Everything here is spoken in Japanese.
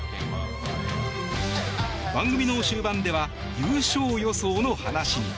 番組の終盤では優勝予想の話に。